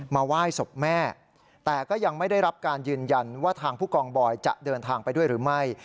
มาไหว้ศพแม่แต่ก็ยังไม่ได้รับการยืนยันว่าทางผู้กองบอยจะเดินทางไปด้วยหรือไม่